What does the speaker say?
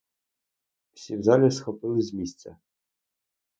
Всі в залі схопились з місця.